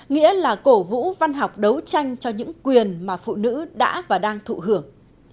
nghĩa là cổ vũ văn học đấu tranh cho những quyền mà phụ nữ đã và đang thụ hưởng